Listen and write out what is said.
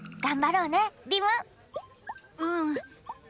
うん。